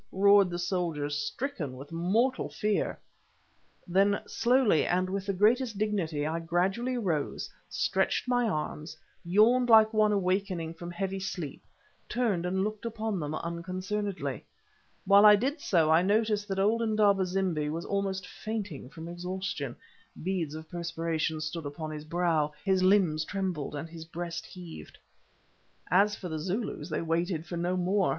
roared the soldiers, stricken with mortal fear. Then slowly and with the greatest dignity I gradually arose, stretched my arms, yawned like one awaking from heavy sleep, turned and looked upon them unconcernedly. While I did so, I noticed that old Indaba zimbi was almost fainting from exhaustion. Beads of perspiration stood upon his brow, his limbs trembled, and his breast heaved. As for the Zulus, they waited for no more.